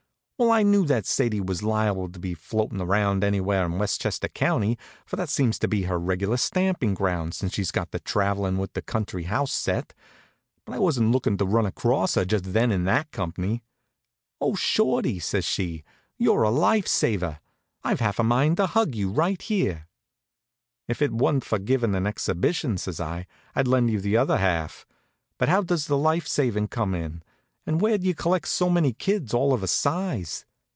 Well, I knew that Sadie was liable to be floatin' around anywhere in Westchester County, for that seems to be her regular stampin' ground since she got to travelin' with the country house set; but I wasn't lookin' to run across her just then and in that company. "Oh, Shorty!" says she, "you're a life saver! I've half a mind to hug you right here." "If it wa'n't for givin' an exhibition," says I, "I'd lend you the other half. But how does the life savin' come in? And where'd you collect so many kids all of a size?